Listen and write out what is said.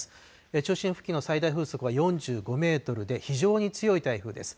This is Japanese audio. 中心付近の最大風速は４５メートルで非常に強い台風です。